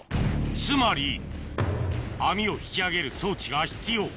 つまり網を引き上げる装置が必要